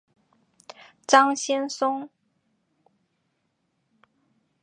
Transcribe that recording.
张先松。